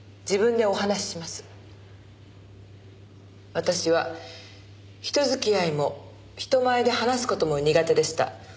私は人付き合いも人前で話す事も苦手でした。